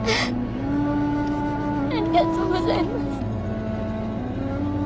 ありがとうございます。